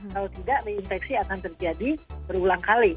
kalau tidak reinfeksi akan terjadi berulang kali